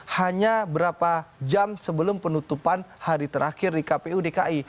hanya berapa jam sebelum penutupan hari terakhir di kpu dki